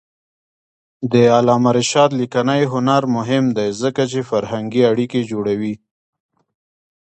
د علامه رشاد لیکنی هنر مهم دی ځکه چې فرهنګي اړیکې جوړوي.